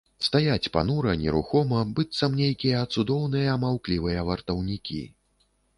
Стаяць панура, нерухома, быццам нейкія цудоўныя, маўклівыя вартаўнікі.